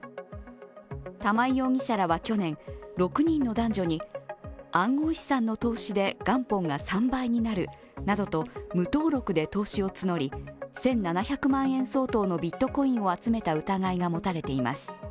玉井容疑者らは去年、６人の男女に暗号資産の投資で元本が３倍になるなどと無登録で投資を募り、１７００万円相当のビットコインを集めた疑いが持たれています。